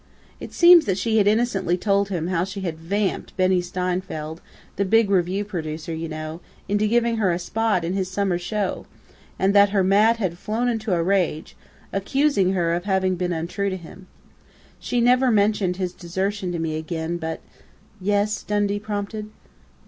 It seems that she had innocently told him how she had 'vamped' Benny Steinfeld, the big revue producer, you know, into giving her a 'spot' in his summer show, and that her 'Mat' had flown into a rage, accusing her of having been untrue to him. She never mentioned his desertion to me again, but " "Yes?" Dundee prompted.